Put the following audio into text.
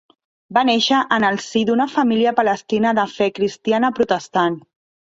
Va nàixer en el si d'una família palestina de fe cristiana protestant.